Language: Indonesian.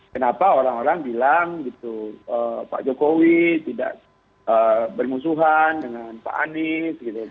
kenapa orang orang bilang gitu pak jokowi tidak bermusuhan dengan pak anies